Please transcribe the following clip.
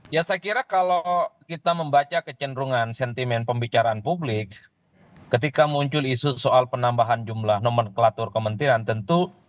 ya saya kira kalau kita membaca kecenderungan sentimen pembicaraan publik ketika muncul isu soal penambahan jumlah nomenklatur kementerian tentu